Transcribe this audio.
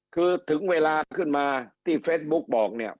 คือถึงเวลาขึ้นมาที่เฟซบุ๊กบอกเนี่ย